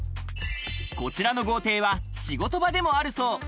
こちらの豪邸は仕事場でもあるそう。